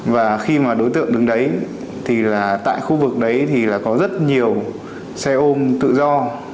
và khi mà đối tượng đứng đấy thì là tại khu vực đấy thì là có rất nhiều xe ôm tự do